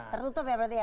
tertutup ya berarti ya